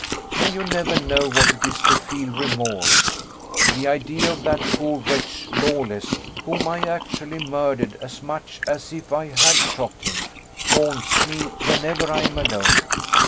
May you never know what it is to feel remorse! The idea of that poor wretch, Lawless, whom I actually murdered as much as if I had shot him, haunts me whenever I am alone.